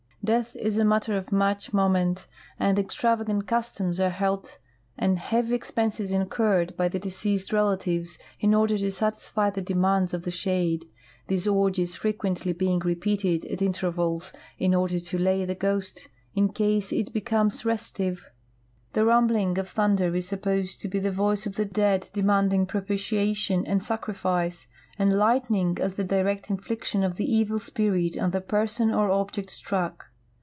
Death is a matter of much moment, and extravagant ''customs" are held and heavy expenses incurred by the deceased's relatives in order to satisfy the demands of the shade, these orgies frequently being repeated at intervals in order to "lay the ghost" in case it be comes restive. The rumbling of thunder is supposed to be the voice of the dead demanding propitiation and sacrifice, and lightning as the direct infliction of the evil spirit on the person or object struck.